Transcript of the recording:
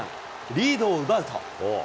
リードを奪うと。